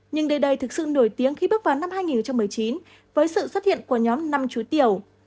nhưng nơi đây thực sự nổi tiếng khi bước vào năm hai nghìn một mươi chín với sự xuất hiện của nhóm năm chú tiểu